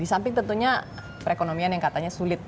di samping tentunya perekonomian yang katanya sulit